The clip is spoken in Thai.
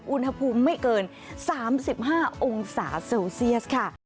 อุณหภูมิไม่เกิน๓๕องศาเซลเซียสค่ะ